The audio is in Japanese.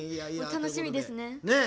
楽しみですね。